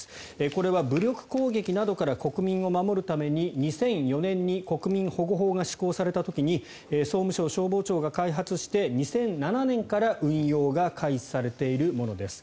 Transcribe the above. これは武力攻撃などから国民を守るために２００４年に国民保護法が施行された時に総務省消防庁が開発して２００７年から運用が開始されているものです。